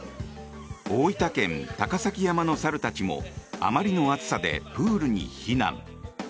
大分県・高崎山の猿たちもあまりの暑さでプールに避難。